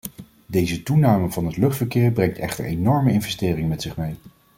Deze toename van het luchtverkeer brengt echter enorme investeringen met zich mee.